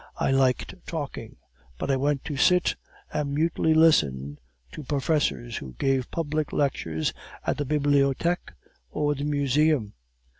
I liked talking, but I went to sit and mutely listen to professors who gave public lectures at the Bibliotheque or the Museum.